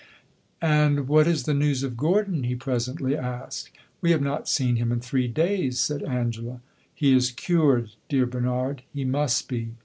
"And what is the news of Gordon?" he presently asked. "We have not seen him in three days," said Angela. "He is cured, dear Bernard; he must be.